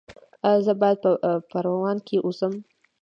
ایا زه باید په پروان کې اوسم؟